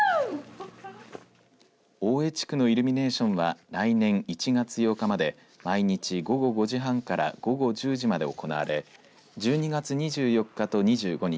大江地区のイルミネーションは来年１月８日まで毎日午後５時半から午後１０時まで行われ１２月２４日と２５日